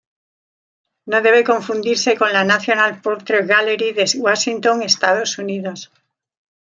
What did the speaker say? No debe confundirse con la National Portrait Gallery de Washington, Estados Unidos.